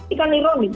ini kan ironis